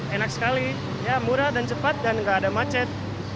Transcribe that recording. enak sekali ya murah dan cepat dan nggak ada macet